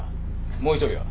もう一人は？